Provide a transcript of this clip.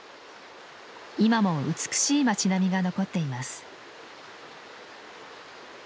今も美しい町並みが残っています。